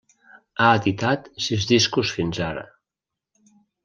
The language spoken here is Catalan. Ha editat sis discos fins ara.